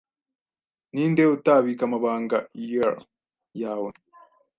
Ninde utabika amabanga year yawe